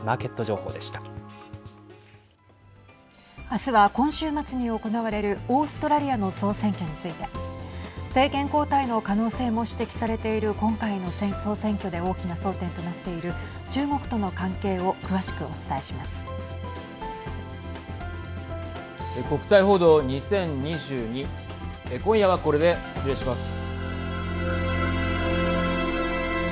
あすは、今週末に行われるオーストラリアの総選挙について政権交代の可能性も指摘されている今回の総選挙で大きな争点となっている中国との関係を詳しくお伝えします。